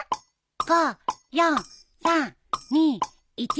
５４３２１。